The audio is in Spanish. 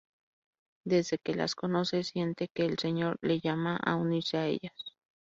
Desde que las conoce siente que el Señor la llama a unirse a ellas.